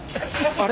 あれ？